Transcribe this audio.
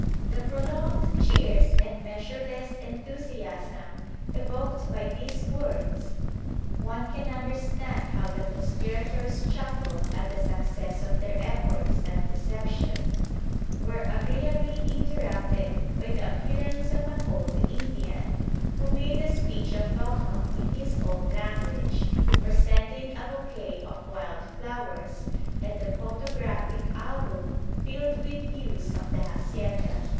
The prolonged cheers and measureless enthusiasm evoked by these words (one can understand how the conspirators chuckled at the success of their efforts at deception) were agreeably interrupted by the appearance of an old Indian, who made a speech of welcome in his own language, presenting a bouquet of wild flowers and a photographic album filled with views of the hacienda.